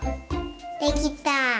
できた！